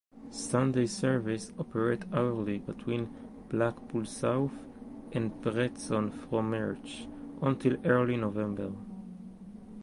Sunday services operate hourly between Blackpool South and Preston from March until early November.